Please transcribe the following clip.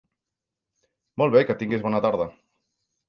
Molt bé, que tinguis bona tarda.